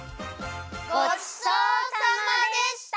ごちそうさまでした！